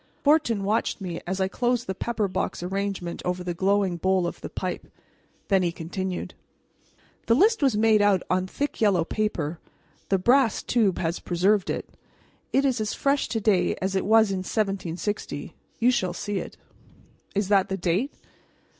Fortin watched me as I closed the pepper box arrangement over the glowing bowl of the pipe. Then he continued: "The list was made out on thick yellow paper; the brass tube has preserved it. It is as fresh to day as it was in 1760. You shall see it." "Is that the date?"